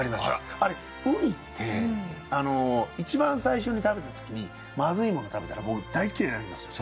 あれウニっていちばん最初に食べたときにまずいものを食べたらもう大嫌いになりますよね。